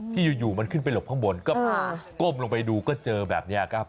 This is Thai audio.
ที่อยู่มันขึ้นไปหลบข้างบนก็ก้มลงไปดูก็เจอแบบนี้ครับ